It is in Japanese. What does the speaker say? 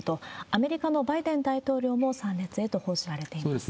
アメリカのバイデン大統領も参列へと報じられています。